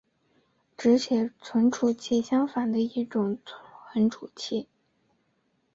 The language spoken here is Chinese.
只写存储器相反的一种存储器。